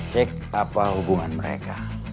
cek apa hubungan mereka